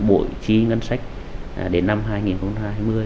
bội chi ngân sách đến năm hai nghìn hai mươi